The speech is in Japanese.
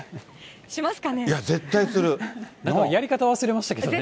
やり方忘れましたけどね。